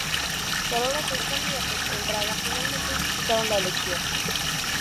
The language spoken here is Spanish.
Sólo los seis candidatos en Braga finalmente disputaron la elección.